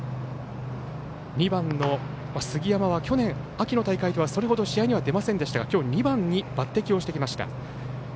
２番の杉山は去年秋の大会ではそれほど試合には出ませんでしたが今日２番に抜擢してきました。